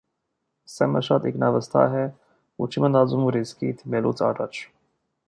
Սեմը շատ ինքնավստահ է, ու չի մտածում ռիսկի դիմելուց առաջ։